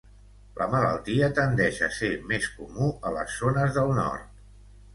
La malaltia tendeix a ser més comú a les zones del nord.